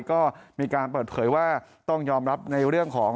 ก็มีการเปิดเผยว่าต้องยอมรับในเรื่องของ